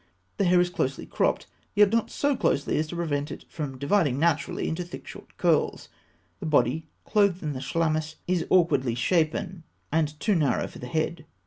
The hair is closely cropped, yet not so closely as to prevent it from dividing naturally into thick, short curls. The body, clothed in the chlamys, is awkwardly shapen, and too narrow for the head.